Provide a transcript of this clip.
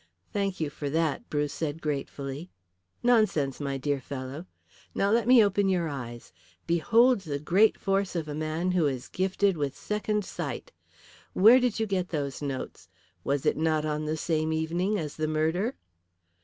"Thank you for that," Bruce said gratefully. "Nonsense, my dear fellow. Now let me open your eyes. Behold the great force of a man who is gifted with second sight. Where did you get those notes? Was it not on the same evening as the murder?"